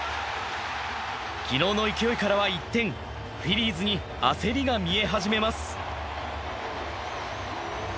昨日の勢いからは一転フィリーズに焦りが見え始めます。